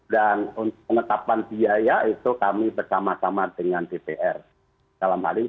dan untuk mengetapkan biaya itu kami bersama sama dengan ppr dalam hal ini